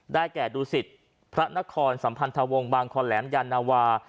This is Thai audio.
แก่ดูสิตพระนครสัมพันธวงศ์บางคอแหลมยานาวา